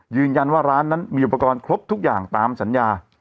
ยืนยันว่าร้านนั้นมีอุปกรณ์ครบทุกอย่างตามสัญญา